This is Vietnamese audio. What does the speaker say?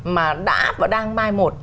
mà đã và đang mai một